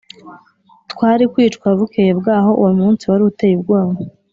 twari kwicwa bukeye bwaho Uwo munsi wari uteye ubwoba